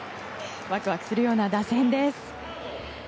ワクワクするような打線です。